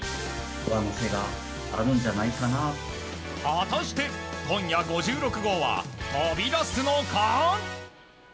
果たして今夜５６号は飛び出すのか？